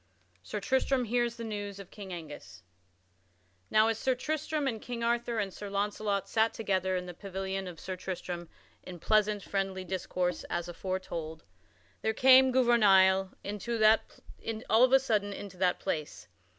[Sidenote: Sir Tristram hears news of King Angus] Now, as Sir Tristram and King Arthur and Sir Launcelot sat together in the pavilion of Sir Tristram in pleasant, friendly discourse, as aforetold, there came Gouvernail of a sudden into that place.